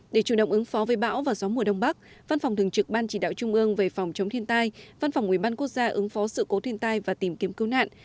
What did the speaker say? để chủ động ứng phó với bão và gió mùa đông bắc văn phòng thường trực ban chỉ đạo trung ương về phòng chống thiên tai văn phòng ubnd quốc gia ứng phó sự cố thiên tai và tìm kiếm cứu nạn